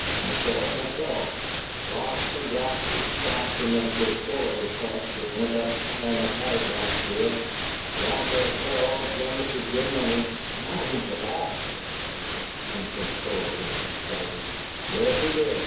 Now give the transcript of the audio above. "I saw it myself: blocks and blocks of stock in that distillery trust that went up higher'n a kite last year. Roger had put all of Jonas's good money " "Not into that!" shouted Norbert, uncontrollably excited. "Yes, he did.